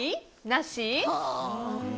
なし？